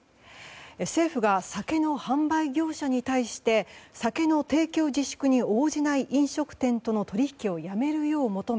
政府が酒の販売業者に対して酒の提供自粛に応じない飲食店との取引をやめるよう求め